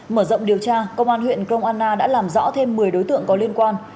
mở rộng điều tra công an huyện krong anna đã làm rõ thêm một mươi đối tượng có liên quan